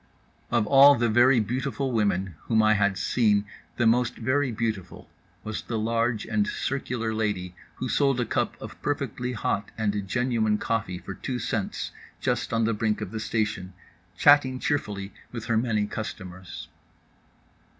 Of all the very beautiful women whom I had seen the most very beautiful was the large and circular lady who sold a cup of perfectly hot and genuine coffee for two cents, just on the brink of the station, chatting cheerfully with her many customers.